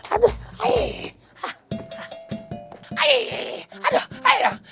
aduh aduh aduh